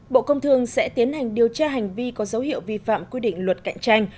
bộ công thương sẽ tiến hành điều tra hành vi có dấu hiệu vi phạm quy định luật cạnh tranh